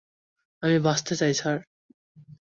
আমি বাঁচতে চাই, স্যার?